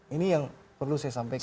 ini yang perlu saya sampaikan